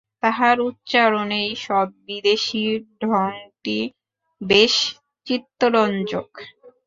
তাঁহার উচ্চারণে ঈষৎ বিদেশী ঢঙটি বেশ চিত্তরঞ্জক।